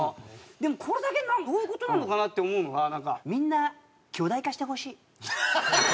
でもこれだけどういう事なのかな？って思うのがなんか「みんな巨大化してほしい」。